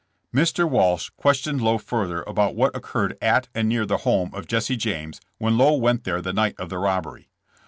Mr. Walsh questioned Lowe further about what occurred at and near the home of Jesse James when Lowe went there the night of the robbery.